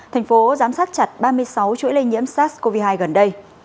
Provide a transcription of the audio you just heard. thành phố giám sát chặt ba mươi sáu chuỗi lây nhiễm sars cov hai gần đây